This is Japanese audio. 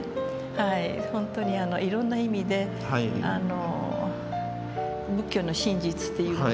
本当にいろんな意味で仏教の真実というものをね